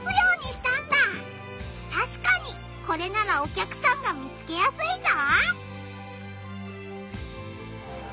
たしかにこれならお客さんが見つけやすいぞ！